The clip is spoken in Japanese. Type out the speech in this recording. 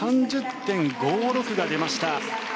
１３０．５６が出ました。